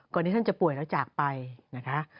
ที่ท่านจะป่วยแล้วจากไปนะคะ